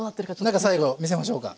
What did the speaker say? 中最後見せましょうか。